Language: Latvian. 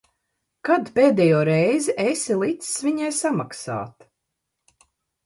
Kad pēdējo reizi esi licis viņai samaksāt?